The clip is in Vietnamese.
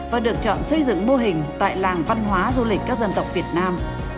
và được chọn xây dựng mô hình tại làng văn hóa du lịch các dân tộc việt nam